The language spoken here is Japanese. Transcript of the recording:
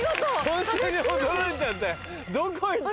ホントに驚いちゃったよ。